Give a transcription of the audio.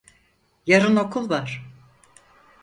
Yarın okul var.